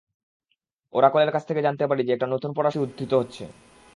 ওরাকলের কাছ থেকে জানতে পারি যে একটা নতুন পরাশক্তি উত্থিত হচ্ছে।